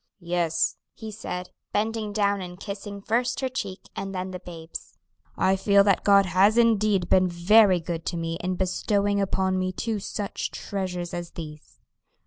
"Yes," he said, bending down and kissing first her cheek, and then the babe's, "I feel that God has indeed been very good to me in bestowing upon me two such treasures as these."